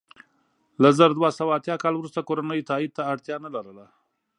له زر دوه سوه اتیا کال وروسته کورنیو تایید ته اړتیا نه لرله.